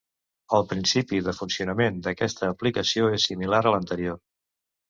El principi de funcionament d'aquesta aplicació és similar a l'anterior.